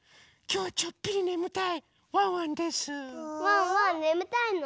ワンワンねむたいの？